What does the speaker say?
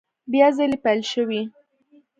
بیا ځلي پیل شوې